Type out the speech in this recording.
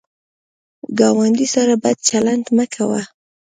ګاونډي سره بد چلند مه کوه